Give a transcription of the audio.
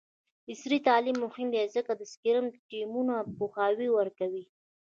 عصري تعلیم مهم دی ځکه چې د سکرم ټیمونو پوهاوی ورکوي.